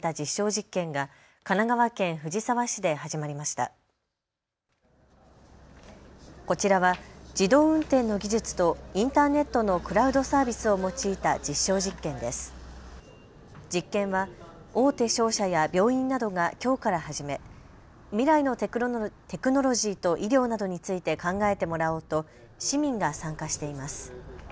実験は大手商社や病院などがきょうから始め未来のテクノロジーと医療などについて考えてもらおうと市民が参加しています。